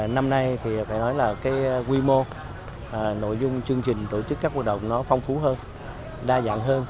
năm nay quy mô nội dung chương trình tổ chức các hoạt động phong phú hơn đa dạng hơn